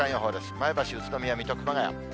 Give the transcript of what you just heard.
前橋、宇都宮、水戸、熊谷。